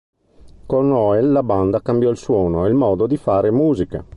Con Noel la band cambiò il suono e il modo di fare musica.